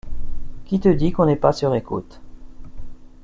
Qui te dit qu’on n’est pas sur écoute ?